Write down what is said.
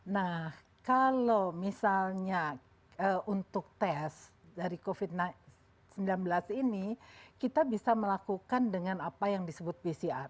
nah kalau misalnya untuk tes dari covid sembilan belas ini kita bisa melakukan dengan apa yang disebut pcr